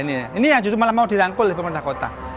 ini yang malah mau dirangkul oleh pemerintah kota